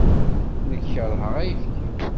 Nekk keṛheɣ ayefki.